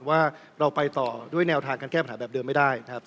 ว่าเราไปต่อด้วยแนวทางการแก้ปัญหาแบบเดิมไม่ได้นะครับ